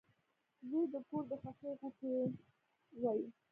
• زوی د کور د خوښۍ غوټۍ وي.